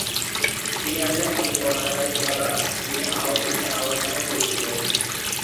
তিনি একজন হাদিস বর্ণনাকারী সাহাবা, যিনি আওস ইবনে আওস নামেও পরিচিত।